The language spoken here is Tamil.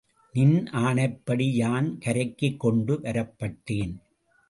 நின் ஆணைப்படி யான் கரைக்குக் கொண்டு வரப்பட்டேன்.